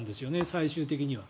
最終的には。